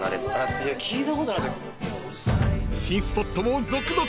［新スポットも続々］